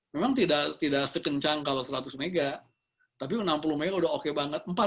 memang tidak sekencang kalau seratus m tapi enam puluh mega udah oke banget